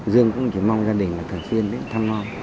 dương cũng chỉ mong gia đình thường xuyên đến thăm hòa